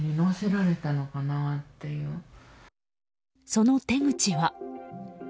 その手口は。